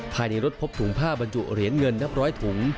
ภายในรถพบถุงผ้าบรรจุเหรียญเงินนับร้อยถุง